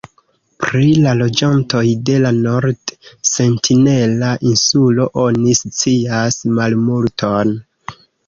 Pri la loĝantoj de la Nord-Sentinela Insulo oni scias malmulton.